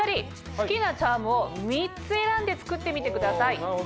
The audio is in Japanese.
好きなチャームを３つ選んで作ってみてください。